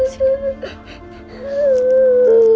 jangan takut dong